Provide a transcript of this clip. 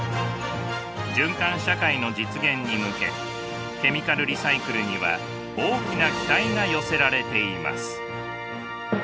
循環社会の実現に向けケミカルリサイクルには大きな期待が寄せられています。